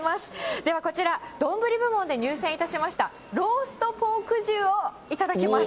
ではこちら、丼部門で入選いたしましたローストポーク重を頂きます。